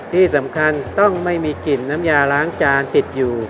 ที่สำคัญต้องไม่มีกลิ่นน้ำยาล้างจานติดอยู่